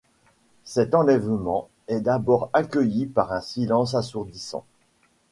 Cet enlèvement est d'abord accueilli par un silence assourdissant.